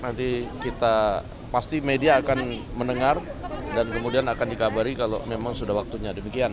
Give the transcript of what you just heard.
nanti kita pasti media akan mendengar dan kemudian akan dikabari kalau memang sudah waktunya demikian